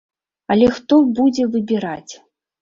Але хто будзе выбіраць?